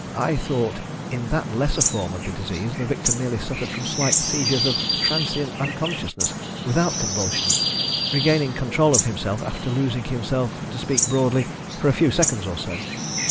I thought in that lesser form of the disease the victim merely suffered from slight seizures of transient unconsciousness, without convulsions, regaining control of himself after losing himself, to speak broadly, for a few seconds or so."